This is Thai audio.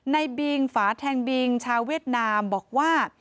บิงฝาแทงบิงชาวเวียดนามบอกว่า